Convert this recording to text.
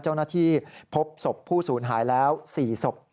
เจ้าหน้าที่พบศพผู้สูญหายแล้ว๔ศพ